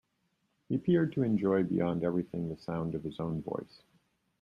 He appeared to enjoy beyond everything the sound of his own voice.